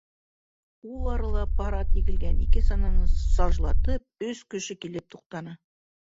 Ул арала пар ат егелгән ике сананы сажлатып, өс кеше килеп туҡтаны.